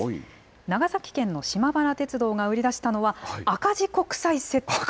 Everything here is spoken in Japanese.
長崎県の島原鉄道が売り出したのは、赤字穀菜セット。